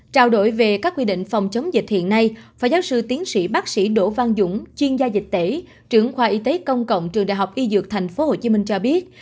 trao đổi về các quy định phòng chống dịch hiện nay phó giáo sư tiến sĩ bác sĩ đỗ văn dũng chuyên gia dịch tễ trưởng khoa y tế công cộng trường đại học y dược tp hcm cho biết